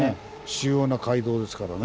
主要な街道ですからね。